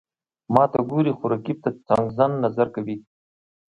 ماته ګوري، خو رقیب ته څنګزن نظر کوي.